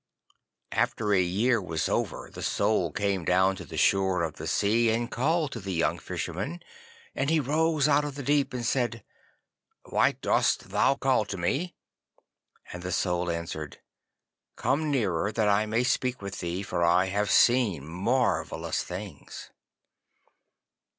And after a year was over the Soul came down to the shore of the sea and called to the young Fisherman, and he rose out of the deep, and said, 'Why dost thou call to me?' And the Soul answered, 'Come nearer, that I may speak with thee, for I have seen marvellous things.